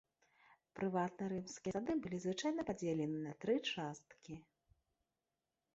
Прыватныя рымскія сады былі звычайна падзелены на тры часткі.